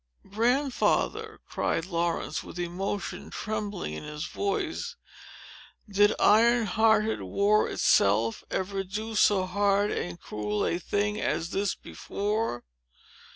"Grandfather," cried Laurence, with emotion trembling in his voice, "did iron hearted War itself ever do so hard and cruel a thing as this before?"